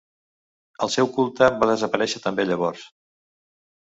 El seu culte va desaparèixer també llavors.